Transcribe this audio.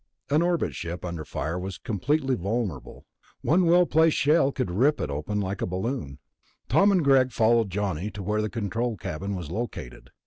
An orbit ship under fire was completely vulnerable. One well placed shell could rip it open like a balloon. Tom and Greg followed Johnny to where the control cabin was located.